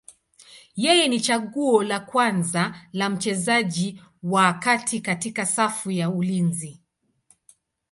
Yeye ni chaguo la kwanza la mchezaji wa kati katika safu ya ulinzi.